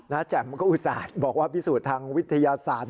แจ่มก็อุตส่าห์บอกว่าพิสูจน์ทางวิทยาศาสตร์